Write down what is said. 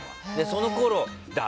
そのころだ！